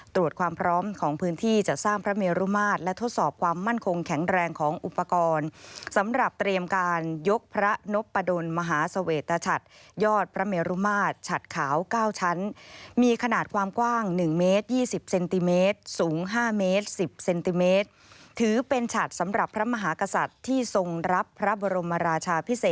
ตรวจความพร้อมของพื้นที่จะสร้างพระเมรุมาตรและทดสอบความมั่นคงแข็งแรงของอุปกรณ์สำหรับเตรียมการยกพระนพประดนมหาเสวตชัดยอดพระเมรุมาตรฉัดขาว๙ชั้นมีขนาดความกว้าง๑เมตร๒๐เซนติเมตรสูง๕เมตร๑๐เซนติเมตรถือเป็นฉัดสำหรับพระมหากษัตริย์ที่ทรงรับพระบรมราชาพิเศษ